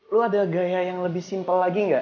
lu ada gaya yang lebih simpel lagi nggak